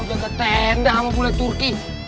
lo sudah ke tenda sama bule turki